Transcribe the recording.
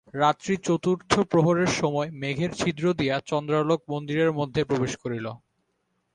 রাত্রি চতুর্থ প্রহরের সময় মেঘের ছিদ্র দিয়া চন্দ্রালোক মন্দিরের মধ্যে প্রবেশ করিল।